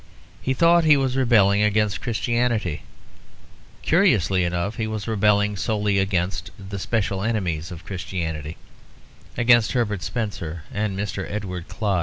He thought he was rebelling against Christianity; curiously enough he was rebelling solely against the special enemies of Christianity, against Herbert Spencer and Mr. Edward Clodd.